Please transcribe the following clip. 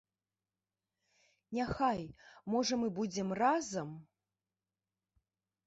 Няхай, можа, мы будзем разам?